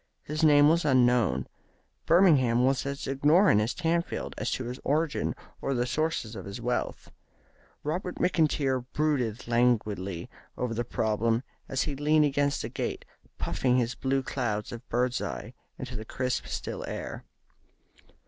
His name was unknown. Birmingham was as ignorant as Tamfield as to his origin or the sources of his wealth. Robert McIntyre brooded languidly over the problem as he leaned against the gate, puffing his blue clouds of bird's eye into the crisp, still air.